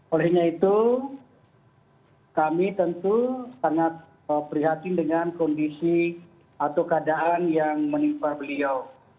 olehnya itu kami tentu sangat prihatin dengan kondisi atau keadaan yang menimpa beliau